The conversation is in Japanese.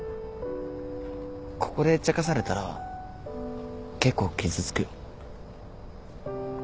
ここで茶化されたら結構傷つくよ。